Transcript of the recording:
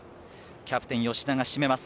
キャプテン吉田が締めます。